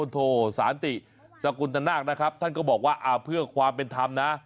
โทสานติสกุลตนาคนะครับท่านก็บอกว่าเพื่อความเป็นธรรมนะ